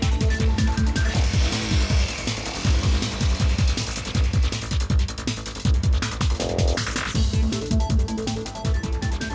sampai jumpa lagi